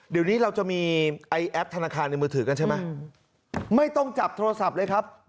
เดี๋ยวนี้เราจะมีไอแอปธนาคารในมือถือกันใช่ไหมไม่ต้องจับโทรศัพท์เลยครับ